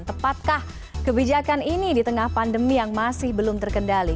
tepatkah kebijakan ini di tengah pandemi yang masih belum terkendali